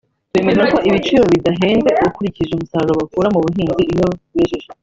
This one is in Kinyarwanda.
bemeza ko ibiciro bidahenze ukurikije umusaruro bakura mu buhinzi iyo bejeje